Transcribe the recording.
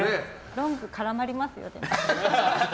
ロング絡まりますよ。